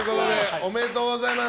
おめでとうございます。